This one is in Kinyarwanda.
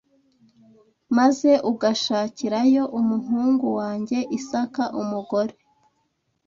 maze ugashakirayo umuhungu wanjye Isaka umugore